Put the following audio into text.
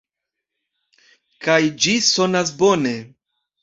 Kaj ĝi sonas bone.